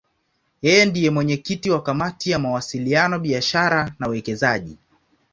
Yeye ndiye mwenyekiti wa Kamati ya Mawasiliano, Biashara na Uwekezaji.